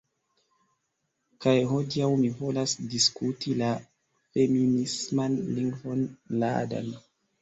Kaj hodiaŭ mi volas diskuti la feminisman lingvon, Láadan